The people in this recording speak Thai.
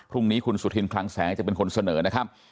พรุ่งนี้คุณสุธินคลังแสงจะเป็นคนเสนอนะครับ